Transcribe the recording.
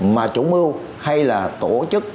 mà chủ mưu hay là tổ chức